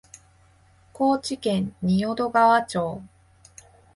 高知県仁淀川町